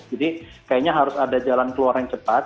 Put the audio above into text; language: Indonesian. jadi kayaknya harus ada jalan keluar yang cepat